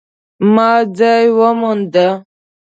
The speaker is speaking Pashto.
ما ځای وموند